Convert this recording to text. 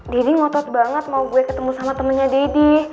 didi ngotot banget mau gue ketemu sama temennya didi